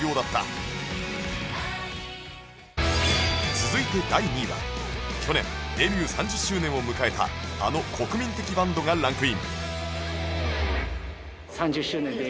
続いて第２位は去年デビュー３０周年を迎えたあの国民的バンドがランクイン